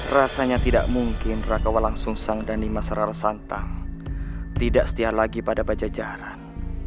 rasanya tidak mungkin raka walang sung sang dan nimasarara santang tidak setia lagi pada pajajaran